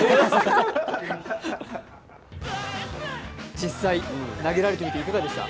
実際、投げられてみていかがでした？